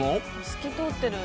透き通ってる。